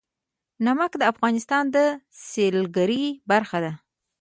نمک د افغانستان د سیلګرۍ برخه ده.